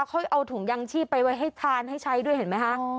เขาเอาถุงยางชีพไปไว้ให้ทานให้ใช้ด้วยเห็นไหมคะ